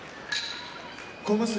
小結